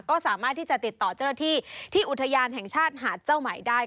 ก็สามารถที่จะติดต่อเจ้าหน้าที่ที่อุทยานแห่งชาติหาดเจ้าใหม่ได้